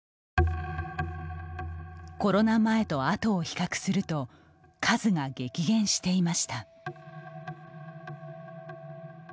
コロナ前と後を比較すると数が激減していました。